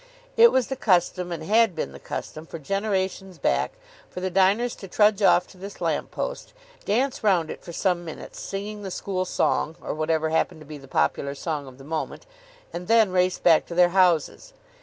It was the custom, and had been the custom for generations back, for the diners to trudge off to this lamp post, dance round it for some minutes singing the school song or whatever happened to be the popular song of the moment, and then race back to their houses.